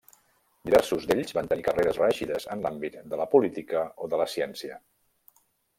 Diversos d'ells van tenir carreres reeixides en l'àmbit de la política o de la ciència.